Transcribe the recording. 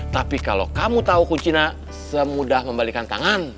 tapi kalau kamu tahu kucina semudah membalikan tangan